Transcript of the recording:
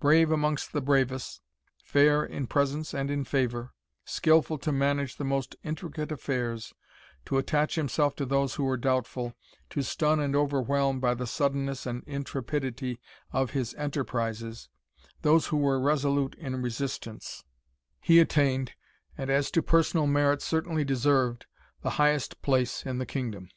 Brave amongst the bravest, fair in presence and in favour, skilful to manage the most intricate affairs, to attach to himself those who were doubtful, to stun and overwhelm, by the suddenness and intrepidity of his enterprises, those who were resolute in resistance, he attained, and as to personal merit certainly deserved, the highest place in the kingdom.